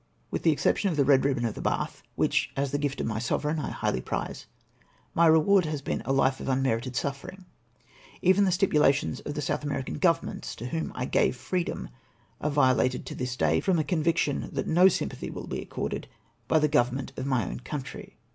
With the exception of the Eed Eibbon of the Bath, which as the gift of my sovereign I highly prize, my reward has been a life of unmerited suffering. Even the stipula tions of the South American Governments, to whom I gave freedom, are violated to this day, from a convic tion that no sympathy will be accorded by the Govern ment of my own country.